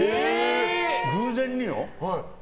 偶然によ。